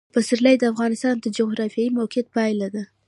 پسرلی د افغانستان د جغرافیایي موقیعت پایله ده.